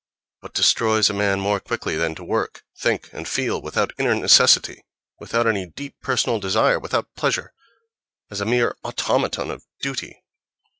What destroys a man more quickly than to work, think and feel without inner necessity, without any deep personal desire, without pleasure—as a mere automaton of duty?